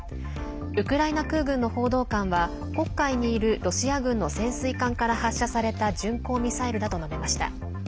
ウクライナ空軍の報道官は黒海にいるロシア軍の潜水艦から発射された巡航ミサイルだと述べました。